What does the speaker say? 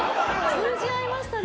通じ合いましたね。